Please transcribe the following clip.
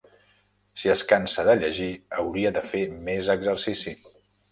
Si es cansa de llegir hauria de fer més exercici.